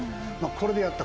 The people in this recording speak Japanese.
これでやった。